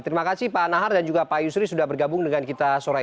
terima kasih pak nahar dan juga pak yusri sudah bergabung dengan kita sore ini